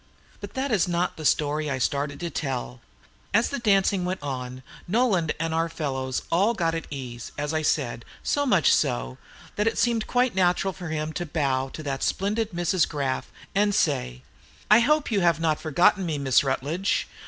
But that is not the story I started to tell. As the dancing went on, Nolan and our fellows all got at ease, as I said, so much so, that it seemed quite natural for him to bow to that splendid Mrs. Graff, and say, "I hope you have not forgotten me, Miss Rutledge.